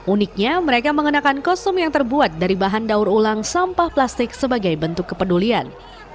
uniknya mereka mengenakan kostum yang terbuat dari bahan daur ulang sampah plastik sebagai bentuk kepedulian